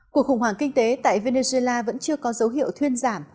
cuộc khủng hoảng kinh tế tại venezuela vẫn chưa có dấu hiệu thuyên giảm